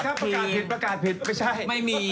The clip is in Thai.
ขอโทษครับประกาศผิดไม่ใช่